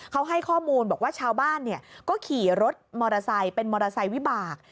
เขาให้ข้อมูลบอกว่าชาวบ้านก็ขี่รถมอเตอร์ไซค์เป็นมอเตอร์ไซค์วิบาก